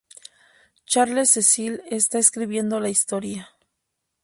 Charles Cecil está escribiendo la historia.